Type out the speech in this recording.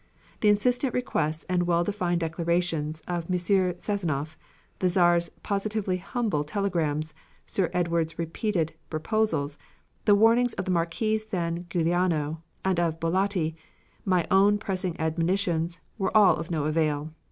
The insistent requests and well defined declarations of M. Sasanof, the Czar's positively humble telegrams, Sir Edward's repeated proposals, the warnings of Marquis San Guiliano and of Bollati, my own pressing admonitions were all of no avail.